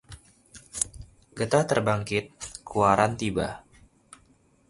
Getah terbangkit kuaran tiba